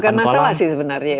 bukan masalah sih sebenarnya